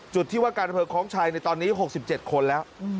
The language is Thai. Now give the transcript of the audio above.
จุดที่ว่าการอำเภอคล้องชัยในตอนนี้๖๗คนแล้ว